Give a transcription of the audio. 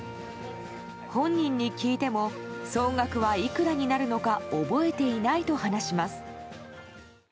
本人に聞いても総額はいくらになるのか覚えていないと話します。